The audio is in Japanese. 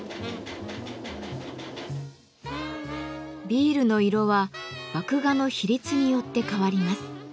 ビールの色は麦芽の比率によって変わります。